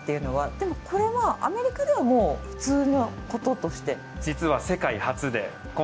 でもこれはアメリカではもう普通のこととして？